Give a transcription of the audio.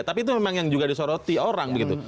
tapi itu memang yang juga disoroti orang begitu